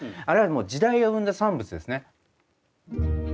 あれはもう時代が生んだ産物ですね。